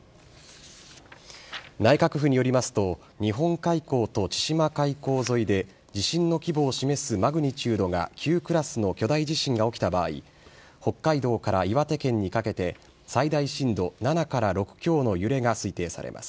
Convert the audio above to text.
内閣府によりますと、日本海溝と千島海溝沿いで、地震の規模を示すマグニチュードが９クラスの巨大地震が起きた場合、北海道から岩手県にかけて最大深度７から６強の揺れが推定されます。